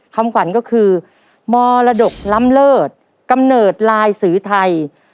คำขวัญก็คือมรดกล้ำเลิศกำเนิดลายสือไทย